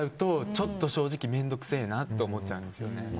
ちょっと正直面倒くさいなと思っちゃうんですよね。